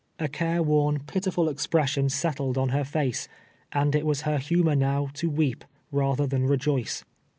A care worn, pitiful expression settled on her face, and it was her humor now to weep, rather than rejoice.